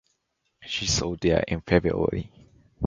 She sold there in February.